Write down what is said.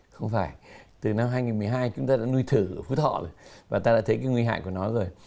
không phải từ năm hai nghìn một mươi hai chúng ta đã nuôi thử ở phú thọ rồi và ta đã thấy cái nguy hại của nó rồi